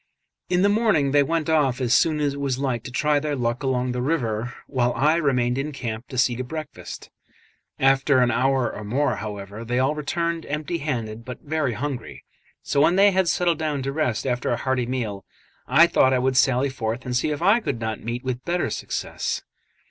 In the morning they went off as soon as it was light to try their luck along the river, while I remained in camp to see to breakfast. After an hour or more, however, they all returned, empty handed but very hungry; so when they had settled down to rest after a hearty meal, I thought I would sally forth and see if I could not meet with better success.